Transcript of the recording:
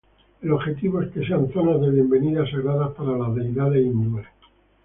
El objetivo es que sean zonas de bienvenida sagradas para las deidades hindúes.